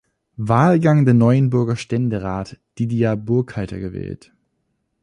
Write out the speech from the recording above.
Wahlgang der Neuenburger Ständerat Didier Burkhalter gewählt.